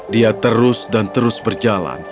dia terus dan terus berjalan